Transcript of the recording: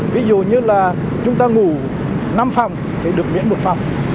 ví dụ như là chúng ta ngủ năm phòng thì được miễn một phòng